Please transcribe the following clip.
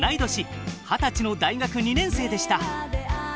二十歳の大学２年生でした。